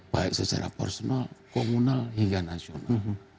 baik secara personal komunal hingga nasional